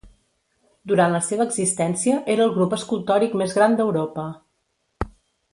Durant la seva existència era el grup escultòric més gran d'Europa.